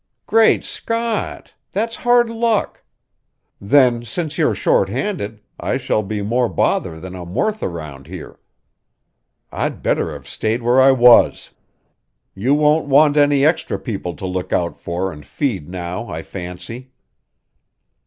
"Great Scott! That's hard luck! Then since you're short handed, I shall be more bother than I'm worth round here. I'd better have stayed where I was. You won't want any extra people to look out for and feed now, I fancy."